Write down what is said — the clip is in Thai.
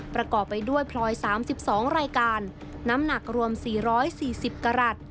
ประกอบไปด้วยพลอย๓๒รายการน้ำหนักรวม๔๔๐กรัฐ